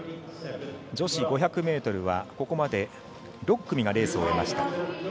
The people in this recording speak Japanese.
女子５００ｍはここまで６組がレースを終えました。